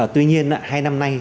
tuy nhiên hai năm nay